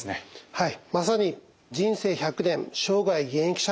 はい。